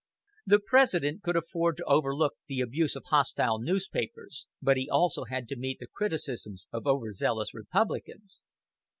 The President could afford to overlook the abuse of hostile newspapers, but he also had to meet the criticisms of over zealous Republicans.